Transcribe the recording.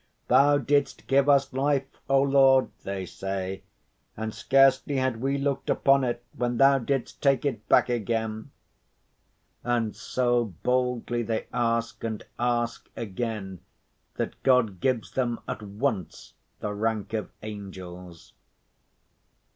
"Thou didst give us life, O Lord," they say, "and scarcely had we looked upon it when Thou didst take it back again." And so boldly they ask and ask again that God gives them at once the rank of angels.